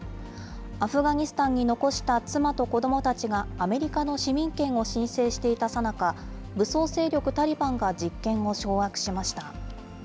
アフガニスタンに残した妻と子どもたちがアメリカの市民権を申請していたさなか、武装勢力タリバンが実権を掌握しました。